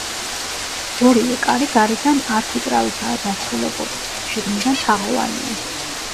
ორივე კარი გარედან არქიტრავითაა დასრულებული, შიგნიდან თაღოვანია.